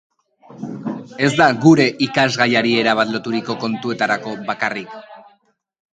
Ez da gure irakasgaiari erabat loturiko kontuetarako bakarrik.